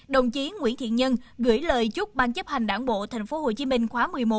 đồng chí nguyễn thiện nhân gửi lời chúc ban chấp hành đảng bộ tp hcm khóa một mươi một